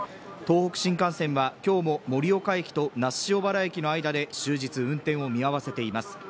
東北新幹線はきょうも盛岡駅と那須塩原駅の間で終日運転を見合わせています